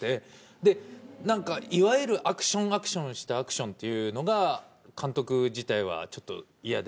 で何かいわゆるアクションアクションしたアクションというのが監督自体はちょっと嫌で。